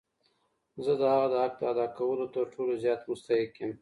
زه د هغه د حق د ادا کولو تر ټولو زیات مستحق یم.